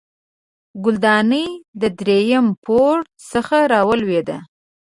ګلدانۍ د دریم پوړ څخه راولوېده